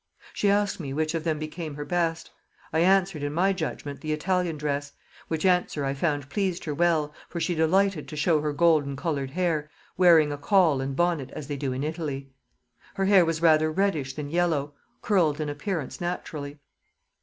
She asked me, which of them became her best? I answered, in my judgement the Italian dress; which answer I found pleased her well, for she delighted to show her golden coloured hair, wearing a caul and bonnet as they do in Italy. Her hair was rather reddish than yellow, curled in appearance naturally.